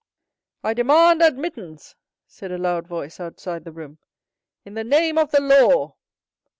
"I demand admittance," said a loud voice outside the room, "in the name of the law!"